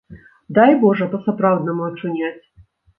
Дай божа па-сапраўднаму ачуняць.